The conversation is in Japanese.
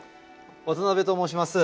渡辺と申します。